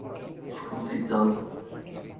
formalizando